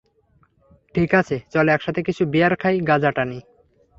ঠিক আছে, চল একসাথে কিছু বিয়ার খাই, গাঁজা টানি।